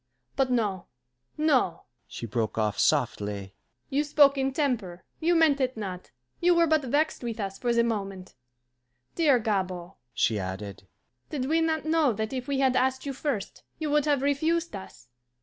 But no, no," she broke off softly, "you spoke in temper, you meant it not, you were but vexed with us for the moment. Dear Gabord," she added, "did we not know that if we had asked you first, you would have refused us?